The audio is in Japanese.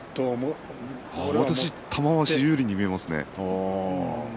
私は玉鷲有利に見えますね。